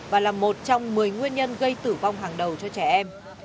và là một trong một mươi nguyên nhân gây tử vong hàng đầu cho trẻ em